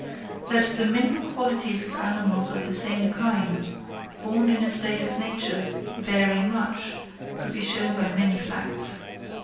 That the mental qualities of animals of the same kind, born in a state of nature, vary much, could be shown by many facts.